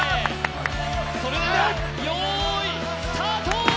それではよーい、スタート！